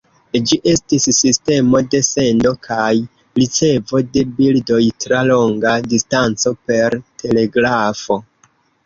Ĝi estis sistemo de sendo kaj ricevo de bildoj tra longa distanco, per telegrafo.